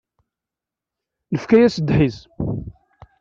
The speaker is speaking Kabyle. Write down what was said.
Nefka-yas ddḥis.